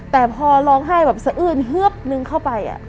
แต่พอร้องไห้แบบสะอื้นเฮือบนึงเข้าไป